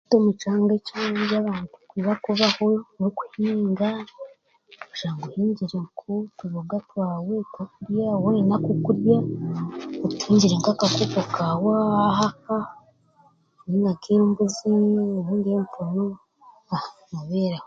Omukyanga ekyangye abaantu okubakubaho n'okuhinga, okushanga ohingire nk'otuboga twawe kokurya w'oyine ako kurya otuhingire nkakoko kawe ahaka ninga nk'embuuzi ninga empunu obereho.